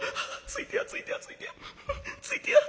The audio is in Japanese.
ついてやついてやついてや。